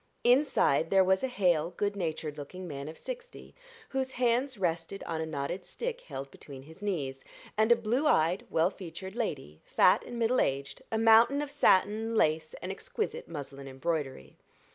Inside there was a hale, good natured looking man of sixty, whose hands rested on a knotted stick held between his knees; and a blue eyed, well featured lady, fat and middle aged a mountain of satin, lace, and exquisite muslin embroidery.